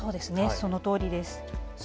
そのとおりです。